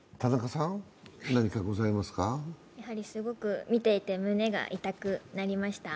すごく見ていて胸が痛くなりました。